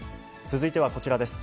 続いてはこちらです。